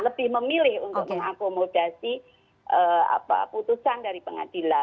dan lebih memilih untuk mengakomodasi apa putusan dari pengadilan